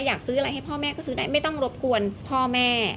อยากซื้ออะไรให้พ่อแม่ก็ซื้อได้ไม่ต้องรบกวนพ่อแม่